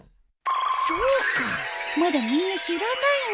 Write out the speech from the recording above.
そうかまだみんな知らないんだ